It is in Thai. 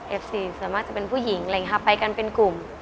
สี่ส่วนมากจะเป็นผู้หญิงอะไรอย่างนี้ค่ะไปกันเป็นกลุ่ม